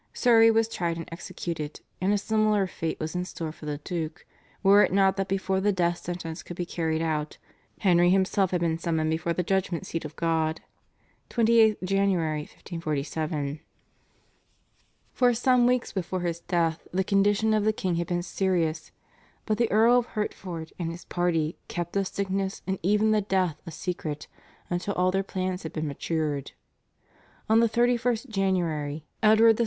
Surrey was tried and executed, and a similar fate was in store for the Duke, were it not that before the death sentence could be carried out, Henry himself had been summoned before the judgment seat of God (28th Jan. 1547). For some weeks before his death the condition of the king had been serious, but the Earl of Hertford and his party kept the sickness and even the death a secret until all their plans had been matured. On the 31st January Edward VI.